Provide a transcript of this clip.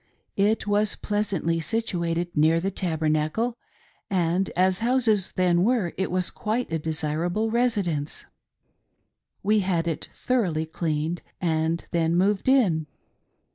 It was pleasantly situated near the Tabernacle, and, as houses then were, it was quite a desir able residence. We had it thoroughly cleaned, and then moved in.